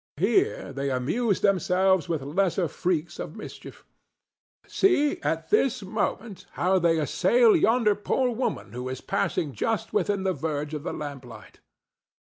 Here they amuse themselves with lesser freaks of mischief. See, at this moment, how they assail yonder poor woman who is passing just within the verge of the lamplight!